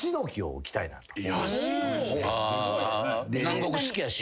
南国好きやし。